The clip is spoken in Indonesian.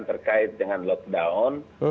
terkait dengan lockdown